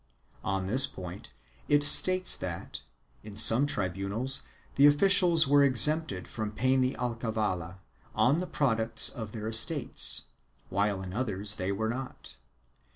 On this point it states that, in some tribunals, the officials are exempted from paying the alcavala on the pro ducts of their estates, while in others they are not.